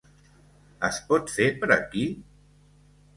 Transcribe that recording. Es pot fer per aquí?